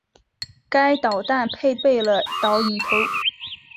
该导弹配备了导引头。